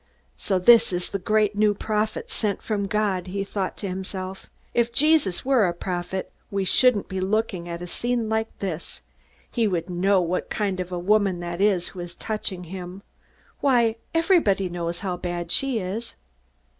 So this is the great new prophet, sent from God! he thought to himself. _If Jesus were a prophet, we shouldn't be looking at a scene like this. He would know what kind of woman that is who is touching him. Why, everybody knows how bad she is!